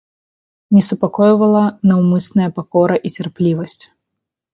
Не супакойвала наўмысная пакора і цярплівасць.